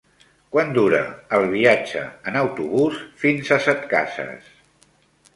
Quant dura el viatge en autobús fins a Setcases?